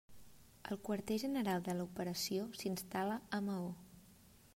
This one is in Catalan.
El Quarter General de l'operació s'instal·la a Maó.